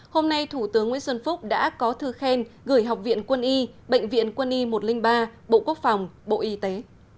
hôm nay thủ tướng nguyễn xuân phúc đã có thư khen gửi học viện quân y bệnh viện quân y một trăm linh ba bộ quốc phòng bộ y tế